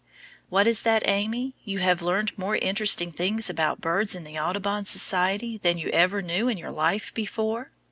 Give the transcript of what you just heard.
What is that, Amy? You have learned more interesting things about birds in the Audubon Society than you ever knew in your life before?